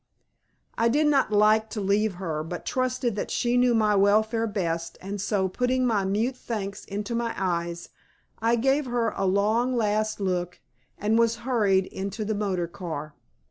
I did not like to leave her, but trusted that she knew my welfare best and so putting my mute thanks into my eyes I gave her a long last look and was hurried into the motor car.